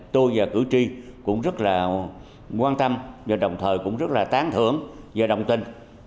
tôi và cử tri cũng rất là quan tâm và đồng thời cũng rất là tán thưởng và đồng tin